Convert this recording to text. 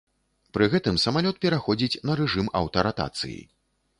Пры гэтым самалёт пераходзіць на рэжым аўтаратацыі.